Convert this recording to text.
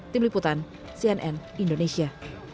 tim liputan cnn indonesia